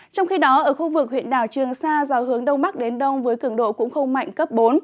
trong khi đó ở khu vực huyện đảo trường sa gió hướng đông bắc đến đông với cường độ cũng không mạnh cấp bốn